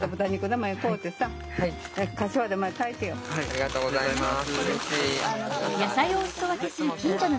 ありがとうございます。